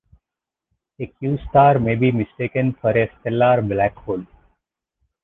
A Q-Star may be mistaken for a stellar black hole.